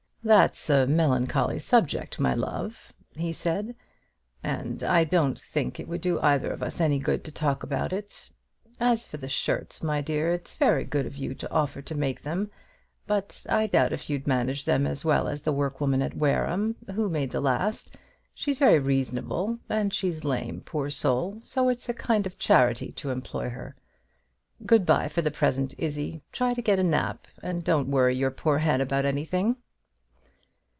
"That's a melancholy subject, my love," he said, "and I don't think it would do either of us any good to talk about it. As for the shirts, my dear, it's very good of you to offer to make them; but I doubt if you'd manage them as well as the work woman at Wareham, who made the last. She's very reasonable; and she's lame, poor soul; so it's a kind of charity to employ her. Good bye for the present, Izzie; try to get a nap, and don't worry your poor head about anything."